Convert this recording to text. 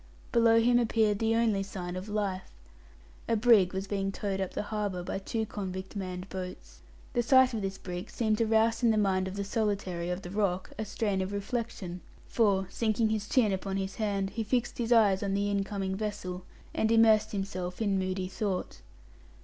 Below him appeared the only sign of life. A brig was being towed up the harbour by two convict manned boats. The sight of this brig seemed to rouse in the mind of the solitary of the rock a strain of reflection, for, sinking his chin upon his hand, he fixed his eyes on the incoming vessel, and immersed himself in moody thought.